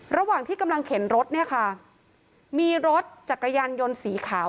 ระหว่างที่กำลังเข็นรถเนี่ยค่ะมีรถจักรยานยนต์สีขาว